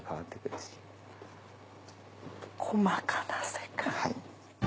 細かな世界。